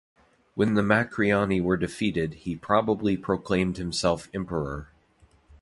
When the Macriani were defeated he probably proclaimed himself emperor.